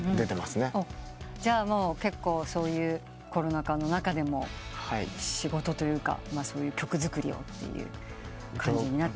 じゃあもう結構そういうコロナ禍の中でも仕事というかそういう曲作りをって感じに。